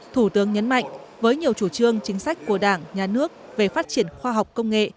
thủ tướng nhấn mạnh với nhiều chủ trương chính sách của đảng nhà nước về phát triển khoa học công nghệ